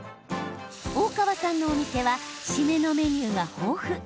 大川さんのお店は締めのメニューが豊富。